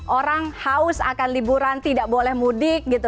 orang haus akan liburan tidak boleh mudik gitu